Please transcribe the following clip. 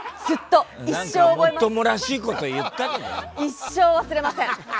一生忘れません！